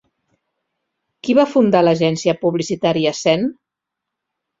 Qui va fundar l'agència publicitària Zen?